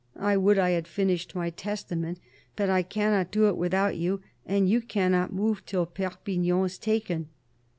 I would I had finished my testament, but I cannot do it without you, and you cannot move till Perpignan is taken."